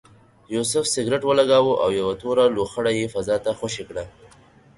یوسف سګرټ ولګاوه او یوه توره لوخړه یې فضا ته خوشې کړه.